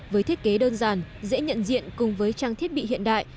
với thiết kế đơn giản dễ nhận diện cùng với trang thiết bị hiện đại